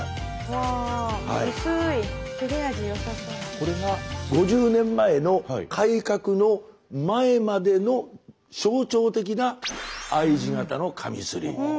これが５０年前の改革の前までの象徴的なＩ字型のカミソリ。